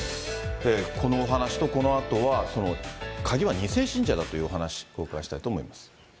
このお話と、このあとは鍵は２世信者だという話、お伺いしたいと思います。